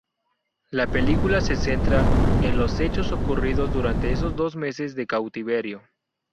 La película se centra en los hechos ocurridos durante esos dos meses de cautiverio.